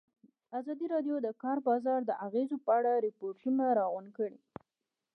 ازادي راډیو د د کار بازار د اغېزو په اړه ریپوټونه راغونډ کړي.